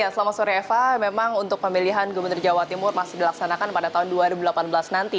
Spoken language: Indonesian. selamat sore eva memang untuk pemilihan gubernur jawa timur masih dilaksanakan pada tahun dua ribu delapan belas nanti